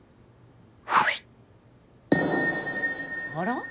あら？